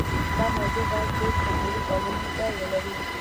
دا موضوع باید ډیر سمبولیک او مهم ځای ولري.